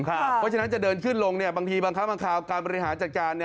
เพราะฉะนั้นจะเดินขึ้นลงบางทีบางครั้งบางคราวการบริหารจัดการ